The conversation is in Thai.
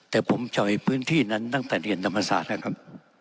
แต่ผมจอยพื้นที่นั้นตั้งแต่เรียนธรรมศาสตร์แล้วครับ